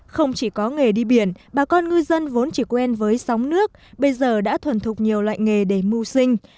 không chỉ có nghề đi biển bà con ngư dân vốn chỉ quen với sóng nước bây giờ đã thuần thục nhiều loại nghề để mưu sinh